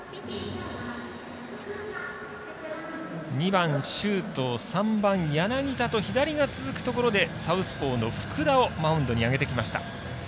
２番周東、３番柳田と左が続くところでサウスポーの福田をマウンドに上げてきました。